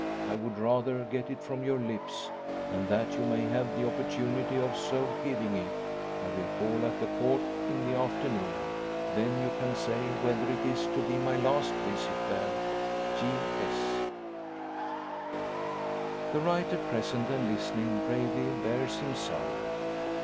I would rather get it from your lips; and that you may have the opportunity of so giving it, I will call at the Court in the afternoon. Then you can say whether it is to be my last visit there. G.S." The writer, present and listening, bravely bears himself.